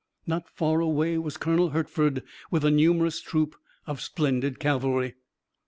Not far away was Colonel Hertford, with a numerous troop of splendid cavalry.